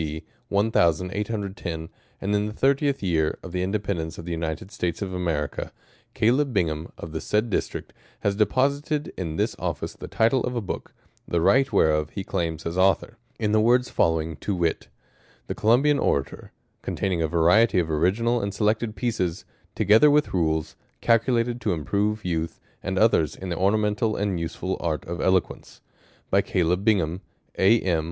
D. 1810, and in the thirty fifth Year of the In dependence of the United States of America, Caleb Bing ham of the said District, has deposited in this Office the title of a Book, the right whereof he claims as Author, in the words following, to wit :" The Columbian Orator : con taining a variety of original and selected pieces ; together with rules ; calculated to improve youth and others in the ornamental and useful art of eloquence. By Caleb Bing ham, A. m.